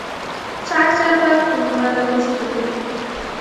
চার চার বার ফোন করা লেগেছে তোকে।